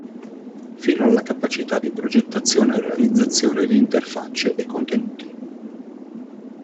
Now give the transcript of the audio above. Fino alla capacità di progettazione e realizzazione di interfacce e contenuti.